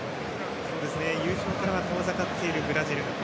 優勝からは遠ざかっているブラジル。